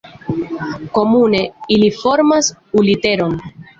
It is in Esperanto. Komune ili formas U-literon.